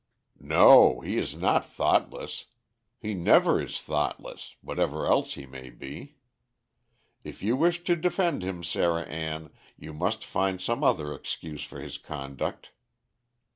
"No; he is not thoughtless. He never is thoughtless, whatever else he may be. If you wish to defend him, Sarah Ann, you must find some other excuse for his conduct.